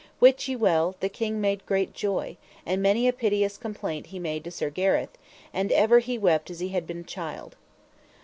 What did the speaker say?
Wit ye well the king made great joy, and many a piteous complaint he made to Sir Gareth, and ever he wept as he had been a child.